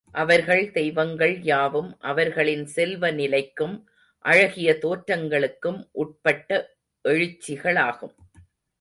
அவர்கள் தெய்வங்கள் யாவும், அவர்களின் செல்வ நிலைக்கும் அழகிய தோற்றங்களுக்கும் உட்பட்ட எழுச்சிகளாகும்.